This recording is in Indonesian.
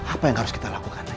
apa yang harus kita lakukan